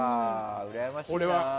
うらやましいな。